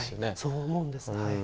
そう思うんですがええ。